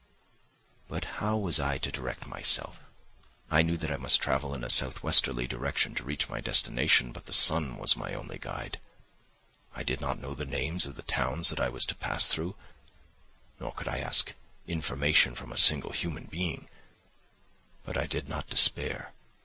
"But how was I to direct myself? I knew that I must travel in a southwesterly direction to reach my destination, but the sun was my only guide. I did not know the names of the towns that I was to pass through, nor could I ask information from a single human being; but I did not despair.